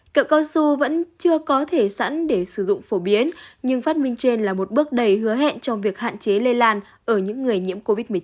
cậu cao su vẫn chưa có thể sẵn để sử dụng phổ biến nhưng phát minh trên là một bước đầy hứa hẹn trong việc hạn chế lây lan ở những người nhiễm covid một mươi chín